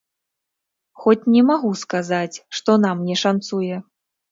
Хоць не магу сказаць, што нам не шанцуе!